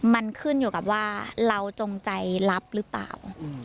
มันขึ้นอยู่กับว่าเราจงใจรับหรือเปล่า